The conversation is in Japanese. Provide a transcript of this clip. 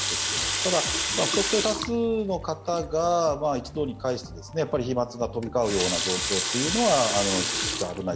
ただ、不特定多数の方が一堂に会して、やはり飛まつが飛び交うような状況っていうのは、いささか危ない。